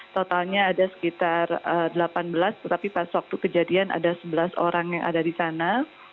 totalnya ada sekitar delapan belas tetapi pas waktu kejadian ada sebelas orang yang ada di sana